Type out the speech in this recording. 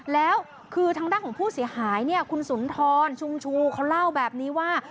แล้วคือทางด้านของผู้เสียหายเนี่ยคุณสุนทรชุงชูเขาเล่าแบบนี้ว่า